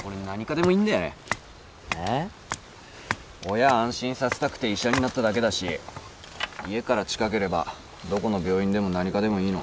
親安心させたくて医者になっただけだし家から近ければどこの病院でも何科でもいいの。